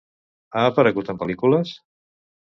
Ha aparegut en pel·lícules?